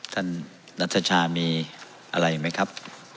ท่านนัชชามีอะไรไหมครับ